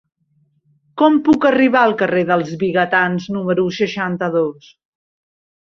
Com puc arribar al carrer dels Vigatans número seixanta-dos?